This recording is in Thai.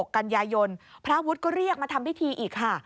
กันยายนพระวุฒิก็เรียกมาทำพิธีอีกค่ะ